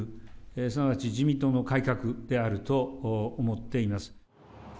すなわち自民党の改革であると思っています。